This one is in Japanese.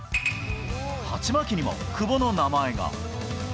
鉢巻きにも久保の名前が。